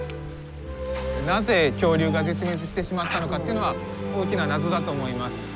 なぜ恐竜が絶滅してしまったのかというのは大きな謎だと思います。